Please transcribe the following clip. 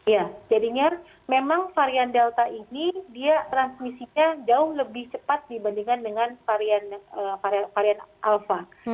ya jadinya memang varian delta ini dia transmisinya jauh lebih cepat dibandingkan dengan varian alpha